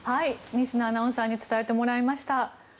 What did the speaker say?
仁科アナウンサーに伝えてもらいました。